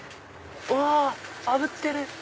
うわあぶってる！